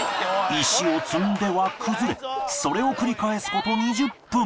石を積んでは崩れそれを繰り返す事２０分